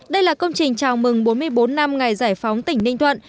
đây là công trình chào mừng bốn mươi bốn năm ngày giải phóng tỉnh ninh thuận